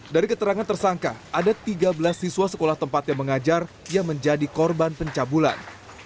dari keterangan tersangka ada tiga belas siswa sekolah tempatnya mengajar yang menjadi korban pencabulan